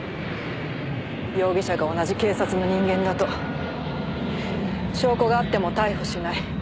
容疑者が同じ警察の人間だと証拠があっても逮捕しない。